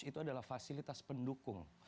dan itu adalah fasilitas pendukung